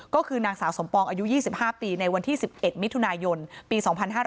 ก็คือนางสาวสมปองอายุ๒๕ปีในวันที่๑๑มิถุนายนปี๒๕๕๙